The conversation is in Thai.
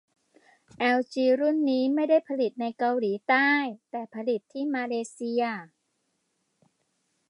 แอลจีรุ่นนี้ไม่ได้ผลิตในเกาหลีใต้ แต่ผลิตที่มาเลเซีย